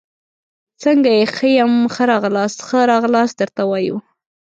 څنګه يي ، ښه يم، ښه راغلاست ، ښه راغلاست درته وایو